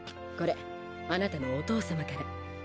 これあなたのお父様から。